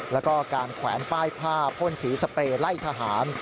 แล้วก็การแขวนป้ายผ้าพ่นสีสเปรย์ไล่ทหาร